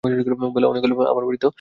বেলা অনেক হইল, আমার বাড়ি তো এখানে নয়।